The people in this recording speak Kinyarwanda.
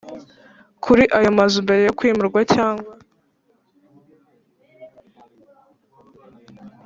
Kuri ayo mazu mbere yo kwimurwa cyangwa